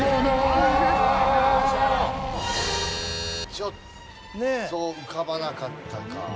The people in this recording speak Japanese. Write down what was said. ちょっと浮かばなかったか。